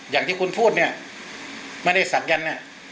อย่างที่คุณพูดเนี่ยไม่ได้ศักยันต์